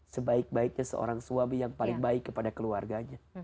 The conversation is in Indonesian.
sebaik baiknya seorang suami yang paling baik kepada keluarganya